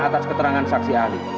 atas keterangan saksi ahli